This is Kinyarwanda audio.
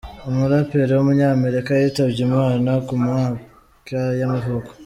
umuraperi w’umunyamerika yitabye Imana ku myaka y’amavuko.